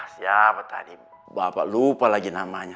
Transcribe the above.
siapa tadi bapak lupa lagi namanya